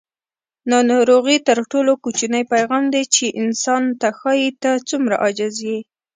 ناروغي تر ټولو کوچنی پیغام دی چې انسان ته ښایي: ته څومره عاجزه یې.